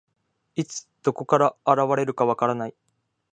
いつ、どこから現れるか分からない。